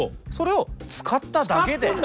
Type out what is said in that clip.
それを使っただけで。